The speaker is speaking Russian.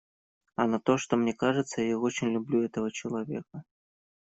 А на то, что, мне кажется, я очень люблю этого человека.